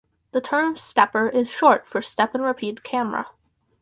The term "stepper" is short for step-and-repeat camera.